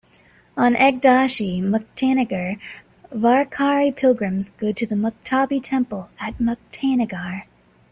On Ekdashi, Muktainagar Varkari pilgrims go to the Muktabai temple at Muktainagar.